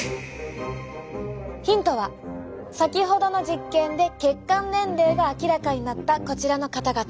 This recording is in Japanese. ヒントは先ほどの実験で血管年齢が明らかになったこちらの方々。